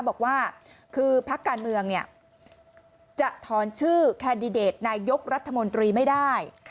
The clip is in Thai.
บอกว่าคือพักการเมืองเนี่ยจะถอนชื่อแคนดิเดตนายกรัฐมนตรีไม่ได้